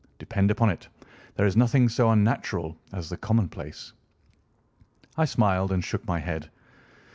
Depend upon it, there is nothing so unnatural as the commonplace." I smiled and shook my head.